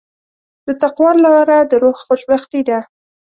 د تقوی لاره د روح خوشبختي ده.